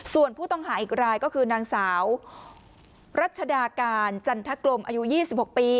ส่วนผู้ต้องหาอีกรายก็คือนางสาวรัชดาการจันทกลมอายุ๒๖ปี